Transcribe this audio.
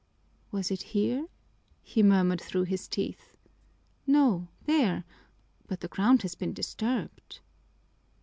"Was it here?" he murmured through his teeth. "No, there! But the ground has been disturbed."